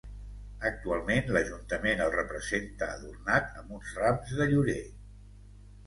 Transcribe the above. Actualment l'Ajuntament el representa adornat amb uns rams de llorer.